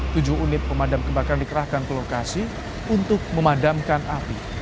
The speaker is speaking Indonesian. tujuh unit pemadam kebakaran dikerahkan ke lokasi untuk memadamkan api